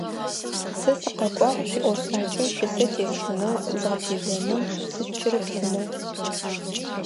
Сэ сыкъэкӏуагъ шъуиӏофшӏакӏэ щысэ тесхынэу, згъэфедэнэу, сышъукӏырыплъынэу.